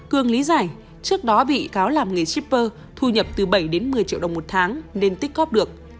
cương lý giải trước đó bị cáo làm nghề shipper thu nhập từ bảy đến một mươi triệu đồng một tháng nên tích cóp được